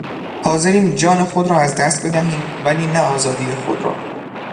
حاضریم جان خود را از دست بدهیم ولی نه آزادی خود را.